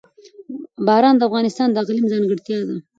باران د افغانستان د اقلیم ځانګړتیا ده.